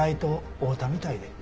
合うたみたいで。